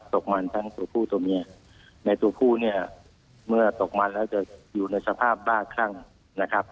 ตกมันทั้งตัวคู่ตัวเมียในตัวคู่เนี่ยเมื่อตกมันแล้วจะอยู่ในสภาพบ้าคั่งนะครับ